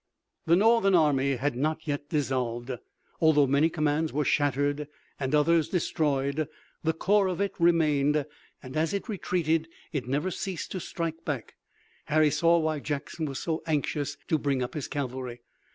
The Northern army had not yet dissolved. Although many commands were shattered and others destroyed, the core of it remained, and, as it retreated, it never ceased to strike back. Harry saw why Jackson was so anxious to bring up his cavalry.